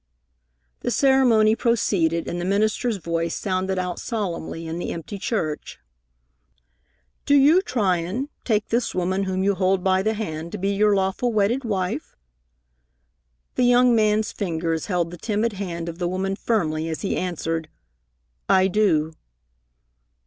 The ceremony proceeded, and the minister's voice sounded out solemnly in the empty church: "Do you, Tryon, take this woman whom you hold by the hand to be your lawful wedded wife?" The young man's fingers held the timid hand of the woman firmly as he answered, "I do."